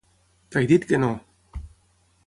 T'he dit que no!